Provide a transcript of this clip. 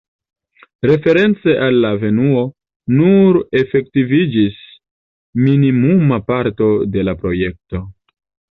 Reference al la avenuo, nur efektiviĝis minimuma parto de la projekto.